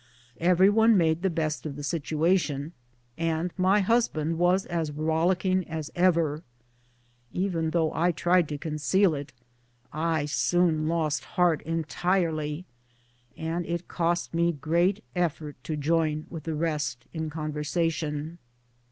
Every one made the best of the situation, and my husband was as rollick ing as ever. Though I tried to conceal it, I soon lost heart entirely, and it cost me great effort to join with the rest in conversation.